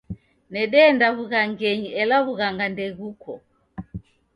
Nedeenda w'ughangenyi ela w'ughanga ndeghuko.